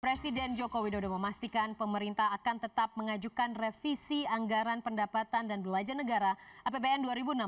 presiden joko widodo memastikan pemerintah akan tetap mengajukan revisi anggaran pendapatan dan belanja negara apbn dua ribu enam belas